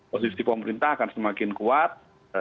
posisi pemerintah akan semakin kuat